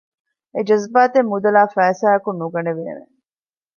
އެޖަޒްބާތެއް މުދަލާއި ފައިސާއަކުން ނުގަނެވޭނެ